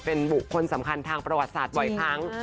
เป็นบุคคลสำคัญทางประวัติศาสตร์บ่อยครั้ง